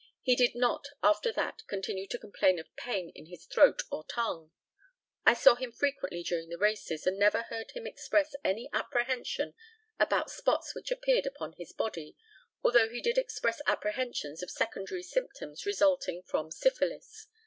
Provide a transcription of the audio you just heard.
He did not after that continue to complain of pain in his throat or tongue. I saw him frequently during the races, and never heard him express any apprehension about spots which appeared upon his body, although he did express apprehensions of secondary symptoms resulting from syphilis.